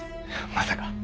まさか。